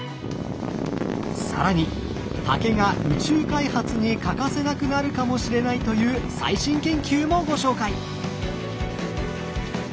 更に竹が宇宙開発に欠かせなくなるかもしれないという最新研究もご紹介！